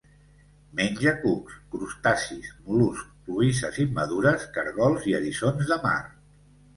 Menja cucs, crustacis, mol·luscs, cloïsses immadures, caragols i eriçons de mar.